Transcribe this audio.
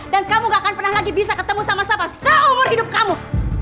dan kamu gak akan pernah lagi bisa ketemu sama safa seumur hidup kamu